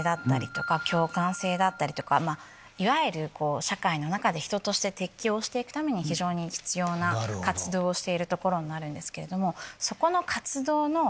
いわゆる社会の中で人として適応して行くために非常に必要な活動をしている所になるんですけれども。